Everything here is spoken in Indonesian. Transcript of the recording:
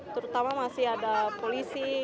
terutama masih ada polisi